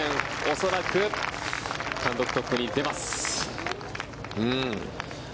恐らく単独トップに出ます。